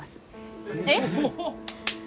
えっ！？